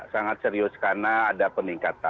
sangat serius karena ada peningkatan